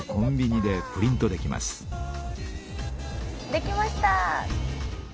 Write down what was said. できました！